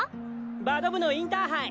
バド部のインターハイ。